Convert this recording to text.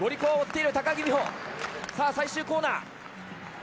最終コーナー。